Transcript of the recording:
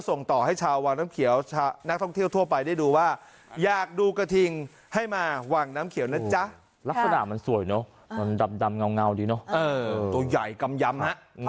ทองดีใช่ไหมใช่ฮะ